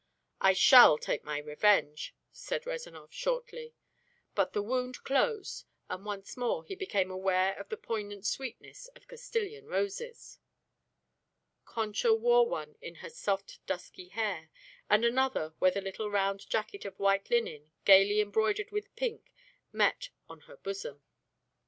"I shall take my revenge," said Rezanov shortly; but the wound closed, and once more he became aware of the poignant sweetness of Castilian roses. Concha wore one in her soft dusky hair, and another where the little round jacket of white linen, gaily embroidered with pink, met on her bosom.